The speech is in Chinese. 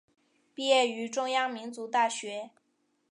毕业于中央民族大学。